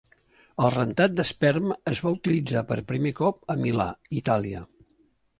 El rentat d"esperma es va utilitzar per primer cop a Milà, Itàlia.